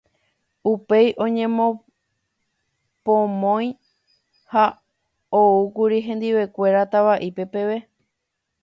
Upéi oñepomoĩ ha oúkuri hendivekuéra tavaite peve.